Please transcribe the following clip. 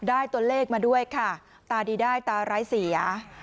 ได้ตัวเลขมาด้วยค่ะตาดีได้ตาร้ายเสีย